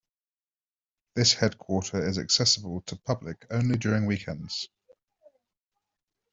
This headquarter is accessible to public only during weekends.